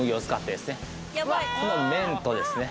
この麺とですね